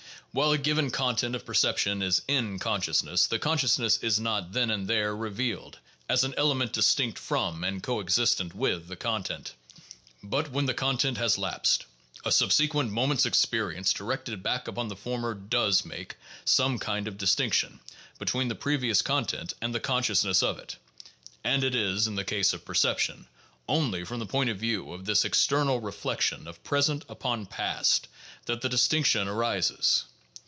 While a given content of perception is "in" consciousness, the consciousness is not then and there revealed as an element distinct from and coexistent with the content; but when that content has lapsed, a subsequent moment's experience directed back upon the former aloes make some kind of distinction between the previous content and the consciousness of it; and it is (in the case of perception) only from the point of view of this ex ternal reflection of present upon past that the distinction arises.